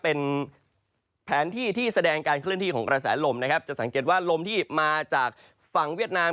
เป็นแผนที่ที่แสดงการเคลื่อนที่ของกระแสลมนะครับจะสังเกตว่าลมที่มาจากฝั่งเวียดนาม